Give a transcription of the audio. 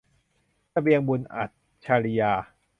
เสบียงบุญ - อัจฉรียา